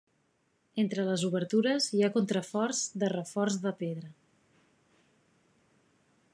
Entre les obertures hi ha contraforts de reforç de pedra.